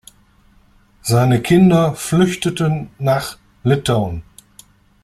Seine Kinder flüchteten nach Litauen.